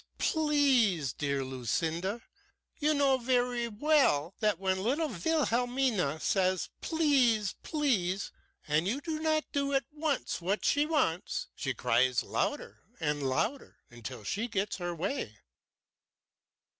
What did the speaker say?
please! dear Lucinda. You know very well that when little Wilhelmina says 'please! please!' and you do not do at once what she wants, she cries louder and louder until she gets her way."